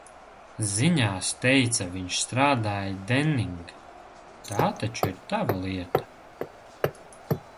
"Ziņās teica, viņš strādāja "Denning", tā taču ir tava lieta?"